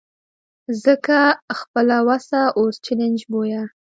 ځکه خپله وسه اوس چلنج بویه.